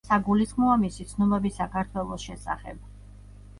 საგულისხმოა მისი ცნობები საქართველოს შესახებ.